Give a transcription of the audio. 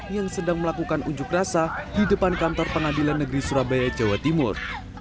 yang sedang melakukan unjuk rasa di depan kantor pengadilan negeri surabaya jawa timur